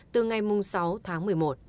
từ ngày sáu tháng một mươi một